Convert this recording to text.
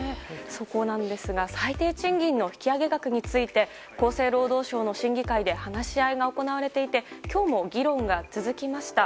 そこなんですが最低賃金の引き上げ額について厚生労働省の審議会で話し合いが行われていて今日も議論が続きました。